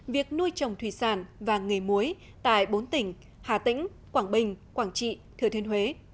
việc nuôi trồng thủy sản và nghề muối tại bốn tỉnh hà tĩnh quảng bình quảng trị thừa thiên huế